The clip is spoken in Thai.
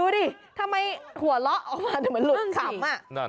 ทำไมหัวเลาะออกมาถึงมันหลุดขำ